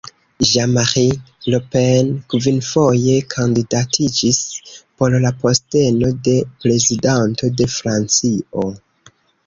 Jean-Marie Le Pen kvinfoje kandidatiĝis por la posteno de Prezidanto de Francio.